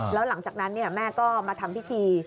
แล้วหลังจากนั้นแม่ก็มาทำพิธี